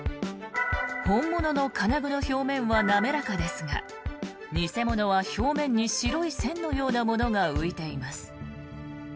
本物の金具の表面は滑らかですが偽物は表面に白い線のようなものが浮いています。